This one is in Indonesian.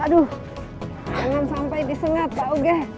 aduh jangan sampai disengat pak uge